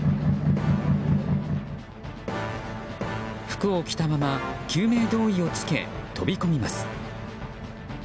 服を着たまま、救命胴衣を着け飛び込みます。